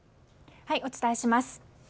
お伝えします。